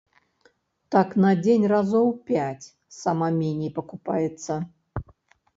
Так на дзень разоў пяць сама меней пакупаецца.